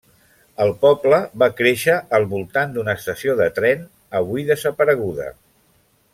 El poble va créixer al voltant d'una estació de tren, avui desapareguda.